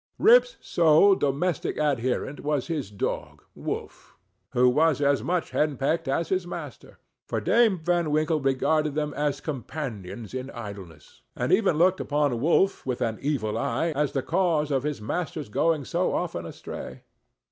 Rip's sole domestic adherent was his dog Wolf, who was as much hen pecked as his master; for Dame Van Winkle regarded them as companions in idleness, and even looked upon Wolf with an evil eye, as the cause of his master's going so often astray.